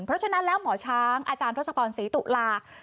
เพราะฉะนั้นแล้วหมอช้างอาจารย์ทศพรศรีตุลา